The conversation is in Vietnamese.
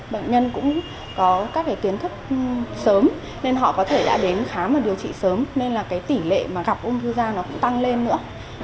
bệnh nhân cũng có các cái kiến thức sớm nên họ có thể đã đến khám và điều trị sớm nên là cái tỷ lệ mà gặp ung thư da nó cũng tăng lên nữa